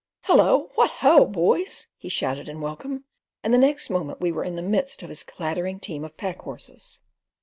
"Hullo! What ho! boys," he shouted in welcome, and the next moment we were in the midst of his clattering team of pack horses.